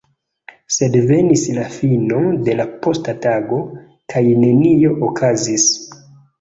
Sed venis la fino de la posta tago, kaj nenio okazis.